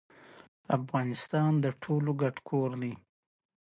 د شبکې په اره یې ټوټې ټوټې غوڅ کړئ په پښتو کې.